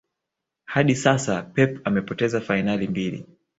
hadi sasa Pep amepoteza fainali mbili